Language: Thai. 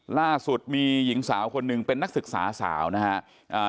ล่าสุดมีหญิงสาวคนหนึ่งเป็นนักศึกษาสาวนะฮะ